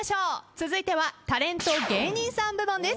続いてはタレント芸人さん部門です。